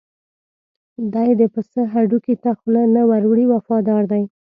دی د پسه هډوکي ته خوله نه ور وړي وفادار دی.